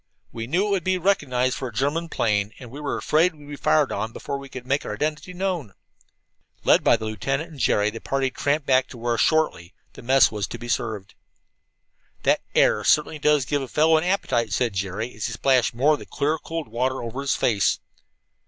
We knew it would be recognized for a German plane, and we were afraid we'd be fired on before we could make our identity known." Led by the lieutenant and Jerry, the party tramped back to where, shortly, mess was to be served. "That air certainly does give a fellow an appetite," said Jerry, as he splashed more of the clear cold water over his face.